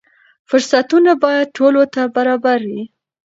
فرصتونه باید ټولو ته برابر وي.